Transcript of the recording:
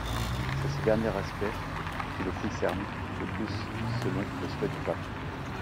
C'est ce dernier aspect qui le concerne le plus, selon le souhait du pape.